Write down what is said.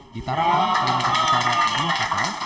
di tarakan kepulauan sumatera utara dua kapal